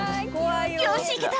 よし行けた